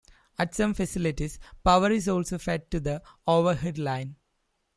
At some facilities, power is also fed to the overhead line.